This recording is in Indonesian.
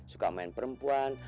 suka main perempuan